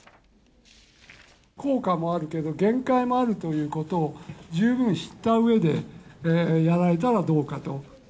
効果もあるけど、限界もあるということを十分知ったうえで、やられたらどうかと。